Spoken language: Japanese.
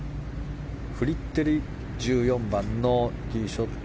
フリテリ１４番のティーショット。